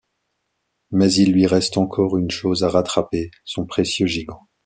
Mais il lui reste encore une chose à rattraper, son précieux gigot.